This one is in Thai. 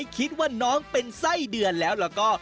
คิดว่าน้องเป็นไส้เดือนแล้วแล้วก็